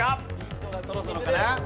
そろそろかな？